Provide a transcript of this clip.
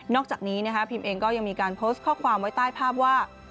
อกจากนี้พิมเองก็ยังมีการโพสต์ข้อความไว้ใต้ภาพว่า